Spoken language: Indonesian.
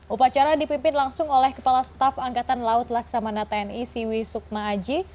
upacara dipimpin langsung oleh kepala staf angkatan laut laksamana tni siwi sukma aji